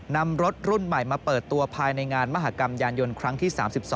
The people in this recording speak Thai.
นำรถรุ่นใหม่มาเปิดตัวภายในงานมหากรรมยานยนต์ครั้งที่๓๒